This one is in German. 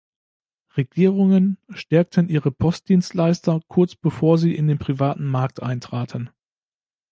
Regierungen stärkten ihre Postdienstleister kurz bevor sie in den privaten Markt eintraten.